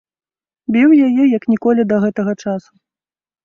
Біў яе як ніколі да гэтага часу.